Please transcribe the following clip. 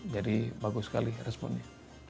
jadi bagus sekali responnya